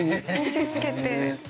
見せつけて。